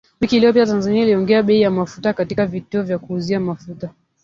Wiki iliyopitaTanzania iliongeza bei ya mafuta katika vituo vya kuuzia mafuta